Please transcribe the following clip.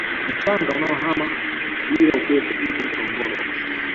Mchanga unaohama bila upepo huko Ngorongoro